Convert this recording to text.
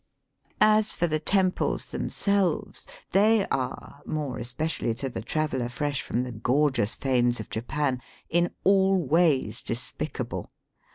As for the temples themselves, they are, more especially to the traveller fresh from the gorgeous fanes of Japan, in all ways despicable.